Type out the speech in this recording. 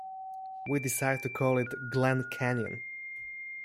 We decide to call it Glen Canyon.